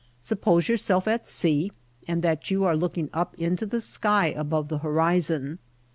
Suppose yourself at sea and that you are looking up into the sky above the horizon.